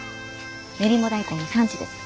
練馬大根の産地です。